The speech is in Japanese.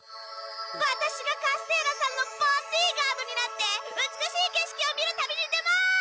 ワタシがカステーラさんのボディーガードになって美しいけしきを見る旅に出ます！